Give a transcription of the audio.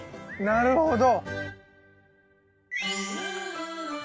なるほど。